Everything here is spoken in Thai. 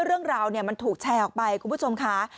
เรื่องราวมันถูกแชร์ออกไปคุณผู้ชมค่ะ